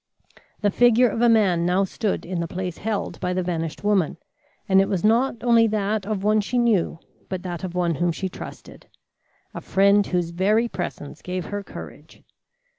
The figure of a man now stood in the place held by the vanished woman, and it was not only that of one she knew but that of one whom she trusted a friend whose very presence gave her courage.